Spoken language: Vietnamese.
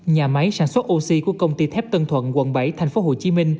nhà máy sản xuất oxy của công ty thép tân thuận quận bảy tp hcm